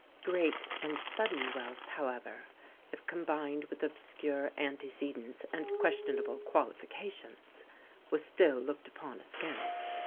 Great and sudden wealth, however, if combined with obscure antecedents and questionable qualifications, was still looked upon askance.